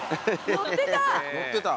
乗ってた。